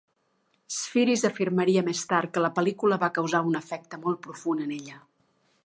Spheeris afirmaria més tard que la pel·lícula va causar un efecte molt profund en ella.